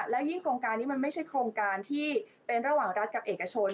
และยิ่งโครงการนี้มันไม่ใช่โครงการที่เป็นระหว่างรัฐกับเอกชน